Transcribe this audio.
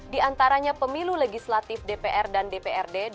dua puluh tiga diantaranya pemilu legislatif dpr dan dprd